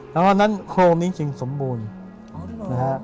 เพราะฉะนั้นโครงนี้จึงสมบูรณ์